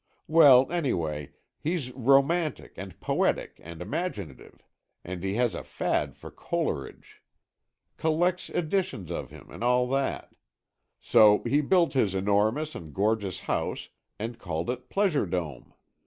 Well, anyway, he's romantic and poetic and imaginative. And he has a fad for Coleridge. Collects editions of him and all that. So he built his enormous and gorgeous house and called it Pleasure Dome.